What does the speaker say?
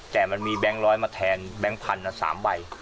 แต่มันมีแบงค์ร้อยมาแทนแบงค์พันธุ์๓ใบ